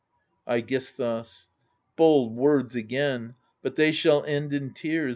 iEGISTHUS Bold words again ! but they shall end in tears.